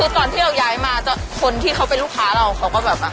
ตอนที่เราย้ายมาคนที่เขาเป็นลูกค้าเราเขาก็แบบ